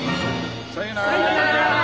さよなら。